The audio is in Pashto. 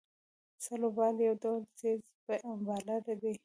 سلو بال یو ډول تېز بالر دئ.